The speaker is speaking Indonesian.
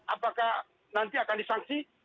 apakah nanti akan disanksi